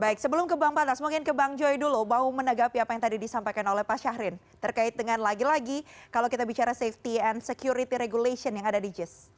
baik sebelum ke bang pantas mungkin ke bang joy dulu bau menegapi apa yang tadi disampaikan oleh pak syahrin terkait dengan lagi lagi kalau kita bicara safety and security regulation yang ada di jis